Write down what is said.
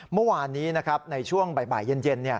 เมื่อวานนี้ในช่วงบ่ายเย็น